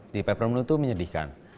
di peppermoon itu menyedihkan